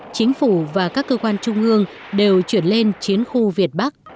chính phủ và các cơ quan trung ương đều chuyển lên chiến khu việt bắc